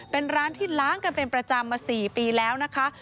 เป็นร้านที่ล้างกันเป็นประจำมา๔ปีแล้วนะคะ